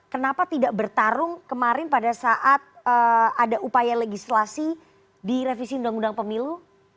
kenapa tidak bertarung kemarin pada saat ada upaya legislasi di revisi undang undang pemilu